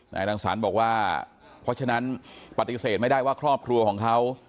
รังสรรค์บอกว่าเพราะฉะนั้นปฏิเสธไม่ได้ว่าครอบครัวของเขา